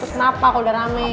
kenapa kalo udah rame